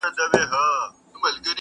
نن دي بیا سترګو کي رنګ د میکدو دی.